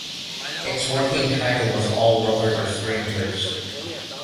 Its working title was "All Lovers Are Strangers".